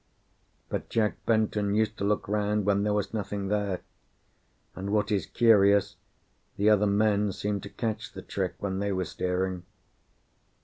But Jack Benton used to look round when there was nothing there; and what is curious, the other men seemed to catch the trick when they were steering.